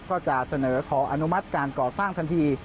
ก็จะเสนอขออนุมัติการก่อสร้างทันที